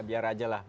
biar aja lah